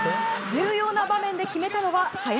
重要な場面で決めたのは、林。